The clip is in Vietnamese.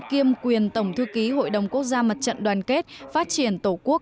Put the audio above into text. kiêm quyền tổng thư ký hội đồng quốc gia mặt trận đoàn kết phát triển tổ quốc